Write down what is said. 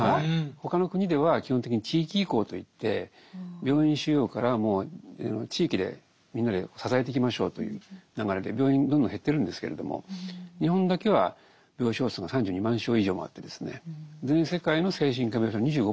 他の国では基本的に地域移行といって病院収容からもう地域でみんなで支えていきましょうという流れで病院どんどん減ってるんですけれども日本だけは病床数が３２万床以上もあってですね。